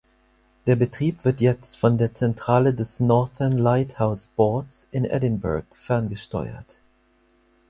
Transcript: Der Betrieb wird jetzt von der Zentrale des Northern Lighthouse Boards in Edinburgh ferngesteuert.